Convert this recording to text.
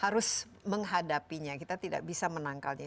harus menghadapinya kita tidak bisa menangkalnya